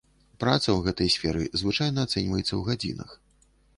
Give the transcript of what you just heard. Праца ў гэтай сферы звычайна ацэньваецца ў гадзінах.